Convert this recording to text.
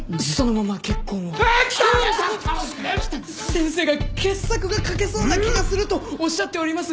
先生が傑作が書けそうな気がするとおっしゃっております。